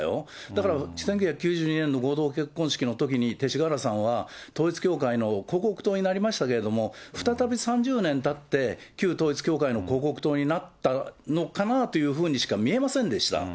だから、１９９２年の合同結婚式のときに、勅使河原さんは統一教会の広告塔になりましたけれども、再び３０年たって、旧統一教会の広告塔になったのかなというふうにしか見えませんでした。